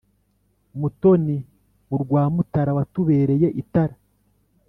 Mutoni mu rwa Mutara watubereye itara